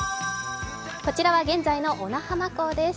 こちらは現在の小名浜港です。